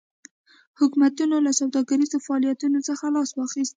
حکومتونو له سوداګریزو فعالیتونو څخه لاس واخیست.